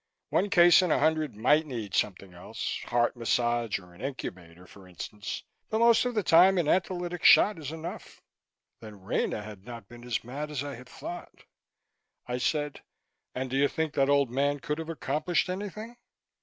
One case in a hundred might need something else heart massage or an incubator, for instance. But most of the time an antilytic shot is enough." Then Rena had not been as mad as I thought. I said: "And do you think that old man could have accomplished anything?"